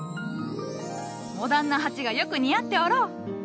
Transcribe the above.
モダンな鉢がよく似合っておろう。